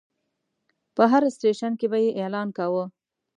په هر سټیشن کې به یې اعلان کاوه.